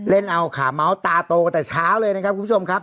เล่นเอาขาเมาส์ตาโตกันแต่เช้าเลยนะครับคุณผู้ชมครับ